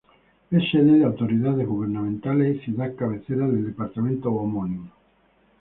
Es sede de autoridades gubernamentales y ciudad cabecera del departamento homónimo.